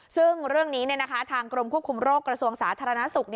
ซึ่งเรื่องนี้ทางกรมควบคุมโรคกระทรวงสาธารณสุข